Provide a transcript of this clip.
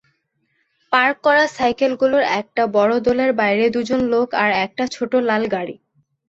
Park করা সাইকেলগুলোর একটা বড় দলের বাইরে দুজন লোক আর একটা ছোট লাল গাড়ি।